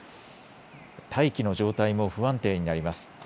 大気の状態も不安定になります。